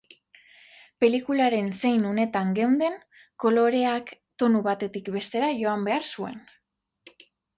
Pelikularen zein unetan geunden, koloreak tonu batetik bestera joan behar zuen.